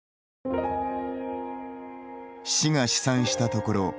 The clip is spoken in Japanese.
市が試算したところ